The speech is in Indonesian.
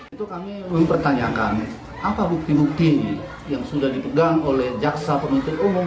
itu kami mempertanyakan apa bukti bukti yang sudah dipegang oleh jaksa penuntut umum